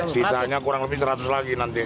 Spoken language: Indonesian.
sisanya kurang lebih seratus lagi nanti